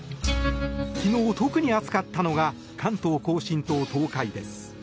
昨日、特に暑かったのが関東・甲信と東海です。